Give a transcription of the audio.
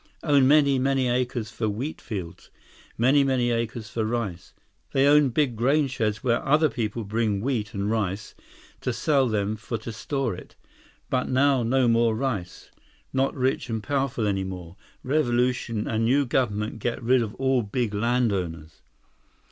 Own many, many acres for wheat fields. Many many acres for rice. They own big grain sheds where other people bring wheat and rice to sell them for to store it. But now no more rice. Not rich and powerful any more. Revolution and new government get rid of all big landowners."